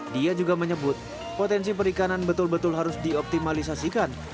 dia juga menyebut potensi perikanan betul betul harus dioptimalisasikan